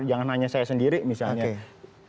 jangan hanya saya sendiri misalnya